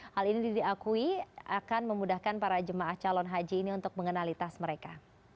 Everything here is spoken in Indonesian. hal ini diakui akan memudahkan para jemaah calon haji ini untuk mengenali tas mereka